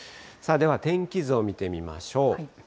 さあ、では天気図を見てみましょう。